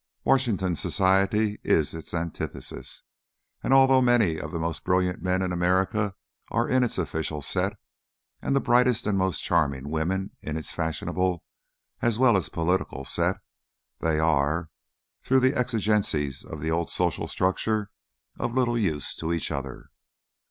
Washington society is its antithesis; and although many of the most brilliant men in America are in its official set, and the brightest and most charming women in its fashionable as well as political set, they are, through the exigencies of the old social structure, of little use to each other.